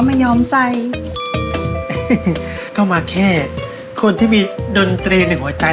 ไม่ยอมใจก็มาแค่คนที่มีดนตรีหนึ่งหัวใจ